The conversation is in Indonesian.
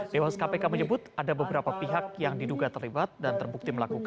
dewas kpk menyebut ada beberapa pihak yang diduga terlibat dan terbukti melakukan